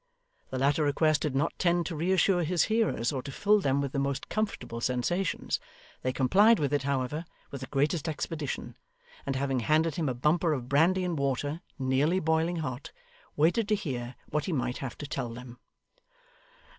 The latter request did not tend to reassure his hearers, or to fill them with the most comfortable sensations; they complied with it, however, with the greatest expedition; and having handed him a bumper of brandy and water, nearly boiling hot, waited to hear what he might have to tell them.